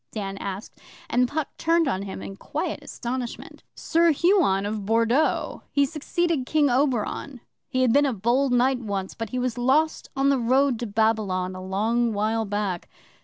Dan asked, and Puck turned on him in quiet astonishment. 'Sir Huon of Bordeaux he succeeded King Oberon. He had been a bold knight once, but he was lost on the road to Babylon, a long while back.